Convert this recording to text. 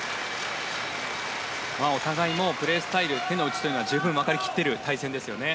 お互い、プレースタイル手の内というのは十分、分かりきっている対戦ですよね。